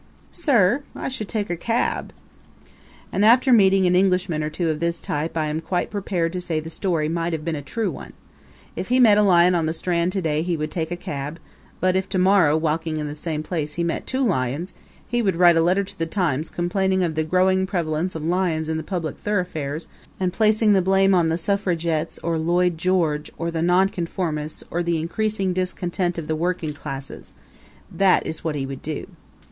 "Sir, I should take a cab!" And after meeting an Englishman or two of this type I am quite prepared to say the story might have been a true one. If he met a lion on the Strand to day he would take a cab; but if to morrow, walking in the same place, he met two lions, he would write a letter to the Times complaining of the growing prevalence of lions in the public thoroughfares and placing the blame on the Suffragettes or Lloyd George or the Nonconformists or the increasing discontent of the working classes that is what he would do.